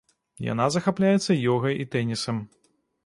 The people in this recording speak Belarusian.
Яна захапляецца ёгай і тэнісам.